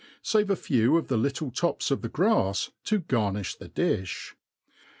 Save a few of the little tops of the grafs to garni(h the difh. N.